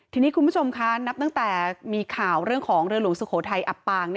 ทีนี้คุณผู้ชมคะนับตั้งแต่มีข่าวเรื่องของเรือหลวงสุโขทัยอับปาง